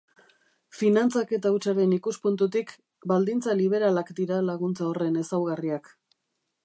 Finantzaketa hutsaren ikuspuntutik, baldintza liberalak dira laguntza horren ezaugarriak.